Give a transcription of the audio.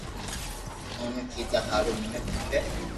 اوني ڪيدا ھارون مينک کپي